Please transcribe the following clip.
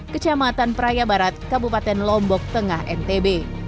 kecamatan praia barat kabupaten lombok tengah ntb